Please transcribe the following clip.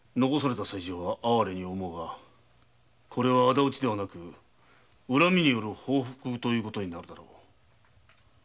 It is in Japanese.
残された妻女は哀れと思うがこれは敵討ちではなく「恨みによる報復」という事になるだろう。